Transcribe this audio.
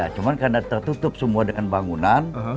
cuma karena tertutup semua dengan bangunan